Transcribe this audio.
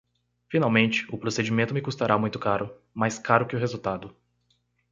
Finalmente, o procedimento me custará muito caro, mais caro que o resultado.